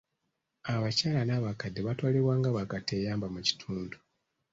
Abakyala n'abakadde batwalibwa nga bakateeyamba mu kitundu.